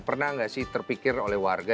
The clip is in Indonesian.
pernah nggak sih terpikir oleh warga